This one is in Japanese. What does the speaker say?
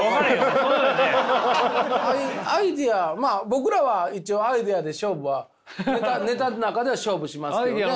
僕らは一応アイデアで勝負はネタの中で勝負しますけどね。